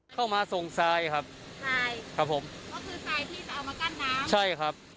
เข้ามาส่งทรายครับทรายครับผมก็คือทรายที่จะเอามากั้นน้ำใช่ครับ